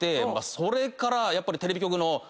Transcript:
それからやっぱりテレビ局の。